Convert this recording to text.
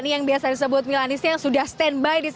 yang biasa disebut milanis yang sudah standby